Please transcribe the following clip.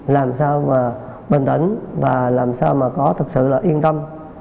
làm sao mà bình tĩnh và làm sao mà có thực sự là yên tâm